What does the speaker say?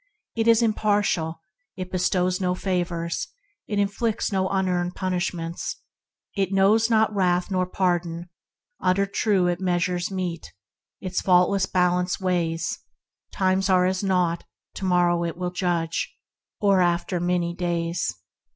It is impartial; it bestows no favors; it inflicts no unearned punishments: "It knows not wrath nor pardon; utter true Its measures mete, its faultless balance weighs; Times are as nought, to morrow it will judge, Or after many days."